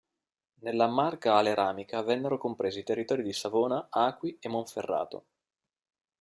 Nella Marca Aleramica vennero compresi i territori di Savona, Acqui e Monferrato.